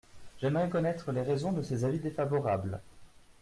J’aimerais connaître les raisons de ces avis défavorables.